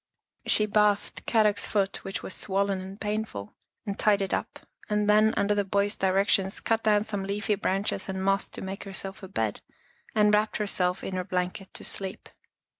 She bathed Kadok's foot, which was swollen and painful, and tied it up, and then, under the boy's direc tions, cut down some leafy branches and moss to make herself a bed, and wrapped herself in her blanket to sleep.